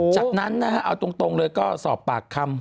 จากนั้นนะฮะเอาตรงเลยก็สอบปากคำ